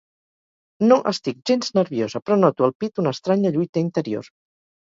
No estic gens nerviosa, però noto al pit una estranya lluita interior.